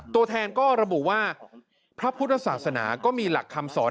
ตัวแทนก็ระบุว่าพระพุทธศาสนาก็มีหลักคำสอน